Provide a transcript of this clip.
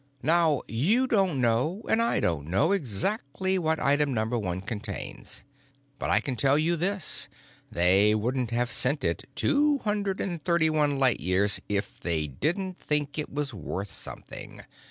Now you don't know and I don't know exactly what Item Number One contains, but I can tell you this, they wouldn't have sent it two hundred and thirty one lights if they didn't think it was worth something.